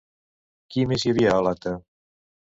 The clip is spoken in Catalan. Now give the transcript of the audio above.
Qui més hi havia a l'acte?